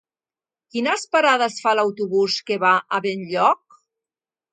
Quines parades fa l'autobús que va a Benlloc?